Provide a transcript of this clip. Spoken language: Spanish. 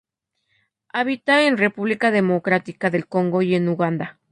Habita en República Democrática del Congo y en Uganda.